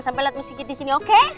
sampai lihat miss gigi di sini oke